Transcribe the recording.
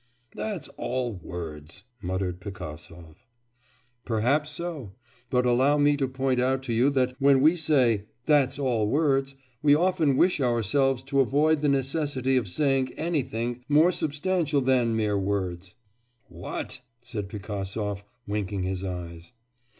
'That's all words!' muttered Pigasov. 'Perhaps so. But allow me to point out to you that when we say "that's all words!" we often wish ourselves to avoid the necessity of saying anything more substantial than mere words.' 'What?' said Pigasov, winking his eyes.